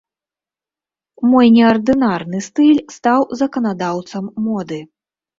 Мой неардынарны стыль стаў заканадаўцам моды.